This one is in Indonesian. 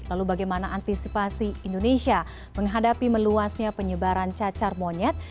lalu bagaimana antisipasi indonesia menghadapi meluasnya penyebaran cacar monyet